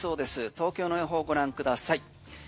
東京の予報を御覧ください。